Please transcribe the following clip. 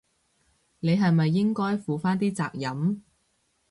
你係咪應該負返啲責任？